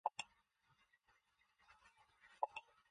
She worked to provide equal education for all students in Iowa.